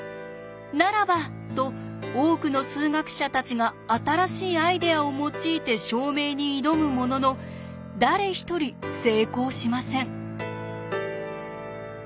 ならばと多くの数学者たちが新しいアイデアを用いて証明に挑むものの誰一人成功しません。